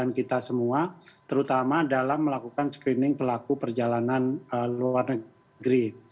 kita semua terutama dalam melakukan screening pelaku perjalanan luar negeri